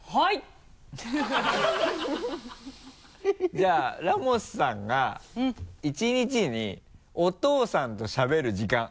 じゃあラモスさんが１日にお父さんとしゃべる時間。